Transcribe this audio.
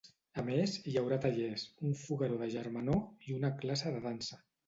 A més, hi haurà tallers, un fogueró de germanor i una classe de dansa.